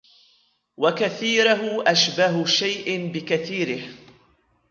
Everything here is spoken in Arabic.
وَكَثِيرَهُ أَشْبَهُ شَيْءٍ بِكَثِيرِهِ